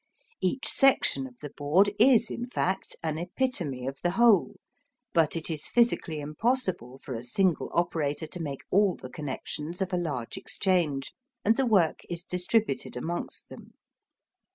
Each section of the board is, in fact, an epitome of the whole, but it is physically impossible for a single operator to make all the connections of a large exchange, and the work is distributed amongst them.